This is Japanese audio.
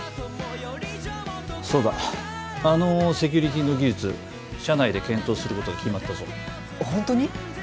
そうだあのセキュリティの技術社内で検討することが決まったぞホントに？